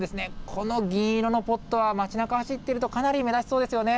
この銀色のポットは、町なかを走っているとかなり目立ちそうですよね。